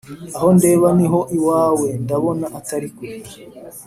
Aho ndeba niho iwawe ndabona atari kure